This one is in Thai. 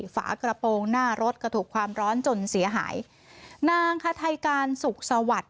ฝากระโปรงหน้ารถก็ถูกความร้อนจนเสียหายนางคาไทการสุขสวัสดิ์